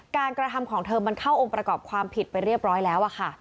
กระทำของเธอมันเข้าองค์ประกอบความผิดไปเรียบร้อยแล้วค่ะ